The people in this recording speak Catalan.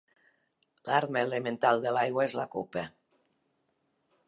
L'arma elemental de l'aigua és la copa.